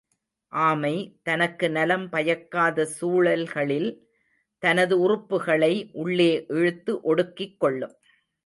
ஆமை, தனக்கு நலம் பயக்காத சூழல்களில் தனது உறுப்புகளை உள்ளே இழுத்து ஒடுக்கிக் கொள்ளும்.